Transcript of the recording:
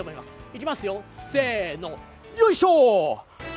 いきますよ、せーの、よいしょ。